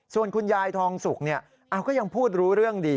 ส่วนคุณยายทองสุกก็ยังพูดรู้เรื่องดี